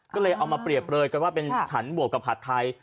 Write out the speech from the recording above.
ก็เลยเอามาเปรียบเลยกันว่าเป็นฉันบวกกับผัดไทย